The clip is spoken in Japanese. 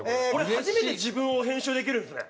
初めて自分を編集できるんですね。